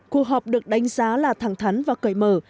cuộc họp được đánh giá là thẳng thắn và cởi mở